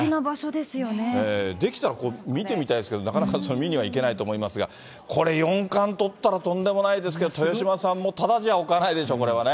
できたら見てみたいですけど、なかなかそれ、見には行けないと思いますが、これ、四冠取ったらとんでもないですけど、豊島さんもただじゃおかないでしょ、これはね。